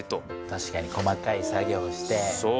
確かに細かい作業をして。